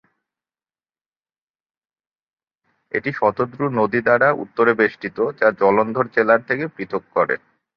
এটি শতদ্রু নদী দ্বারা উত্তরে বেষ্টিত, যা জলন্ধর জেলার থেকে পৃথক করে।